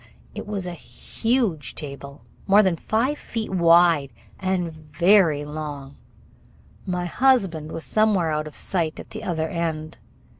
It was a huge table, more than five feet wide and very long. My husband was somewhere out of sight at the other end. Mr.